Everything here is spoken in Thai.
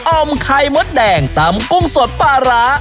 ่อมไข่มดแดงตำกุ้งสดปลาร้า